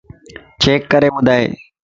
چيڪ ڪري ٻڌائي